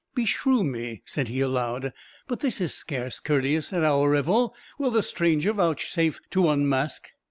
"Beshrew me!" said he, aloud, "but this is scarce courteous at our revel: will the stranger vouchsafe to unmask?"